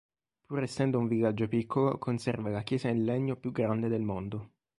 Pur essendo un villaggio piccolo, conserva la chiesa in legno più grande del mondo.